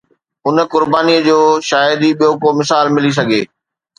ان قربانيءَ جو شايد ئي ٻيو ڪو مثال ملي سگهي